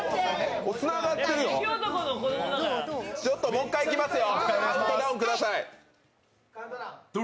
もう一回いきますよ。